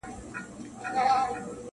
مار پر ږغ کړل ویل اې خواره دهقانه-